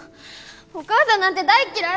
お母さんなんて大っ嫌い！